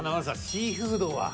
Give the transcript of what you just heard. シーフードは。